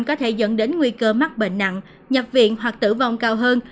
có thể dẫn đến nguy cơ mắc bệnh nặng nhập viện hoặc tử vong cao hơn